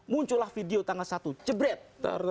muncullah video tanggal satu cebret